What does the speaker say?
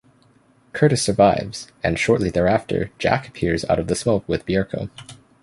Curtis survives and shortly thereafter Jack appears out of the smoke with Bierko.